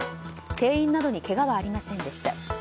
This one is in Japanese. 店員などにけがはありませんでした。